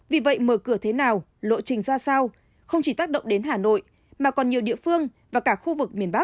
vì vậy mở cửa thế nào lộ trình ra sao không chỉ tác động đến hà nội mà còn nhiều địa phương và cả khu vực miền bắc